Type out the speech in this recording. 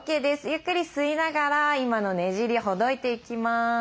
ゆっくり吸いながら今のねじりほどいていきます。